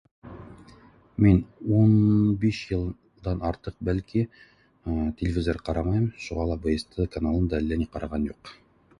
Мин ун биш йылдан артыҡ бәлки телевизор ҡарамайым шуға ла БСТ каналын да әллә ни ҡараған юҡ